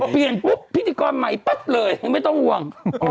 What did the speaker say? เปลี่ยนปุ๊บพิธีกรใหม่ปั๊บเลยไม่ต้องห่วง